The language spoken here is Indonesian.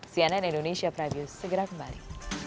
cnn indonesia preview segera kembali